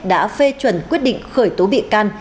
đã phê chuẩn quyết định khởi tố bị can